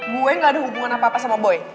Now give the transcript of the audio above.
gue gak ada hubungan apa apa sama boy